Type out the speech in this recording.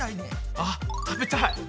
あっ食べたい！